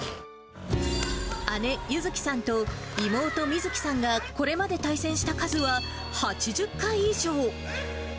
姉、優月さんと妹、美月さんがこれまで対戦した数は８０回以上。